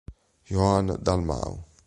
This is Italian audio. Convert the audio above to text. Joan Dalmau